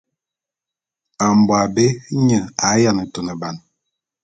Mbo abé nye a yiane tuneban.